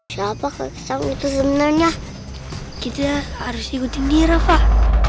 siapa itu sebenarnya kita harus ikuti nira pak